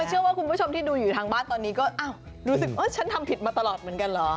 เชื่อว่าคุณผู้ชมที่ดูอยู่ทางบ้านตอนนี้ก็อ้าวรู้สึกว่าฉันทำผิดมาตลอดเหมือนกันเหรอ